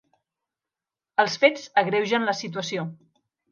Els fets agreugen la situació.